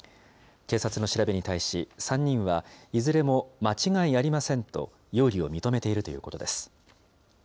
警察の調べに対し、３人はいずれも間違いありませんと、容疑を認めているということです。